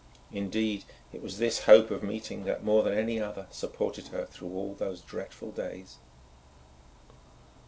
Indeed, it was this hope of meeting that, more than any other, supported her through all those dreadful days.